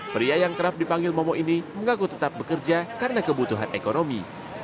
pria yang kerap dipanggil momo ini mengaku tetap bekerja karena kebutuhan ekonomi